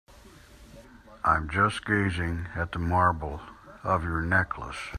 I'm just gazing at the marble of your necklace.